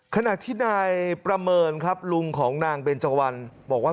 ขณะที่นายประเมินครับลุงของนางเบนเจาันบอกว่า